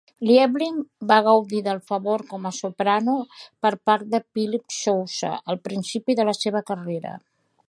Liebling va gaudir del favor com a soprano per part de Philip Sousa al principi de la seva carrera.